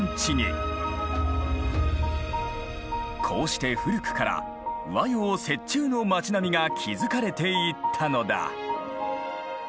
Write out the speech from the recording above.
こうして古くから和洋折衷の町並みが築かれていったのだ。